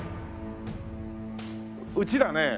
うちらね